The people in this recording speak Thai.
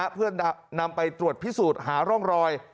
เพื่อนำไปตรวจพิสูจน์หาร่องรอย